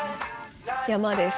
山です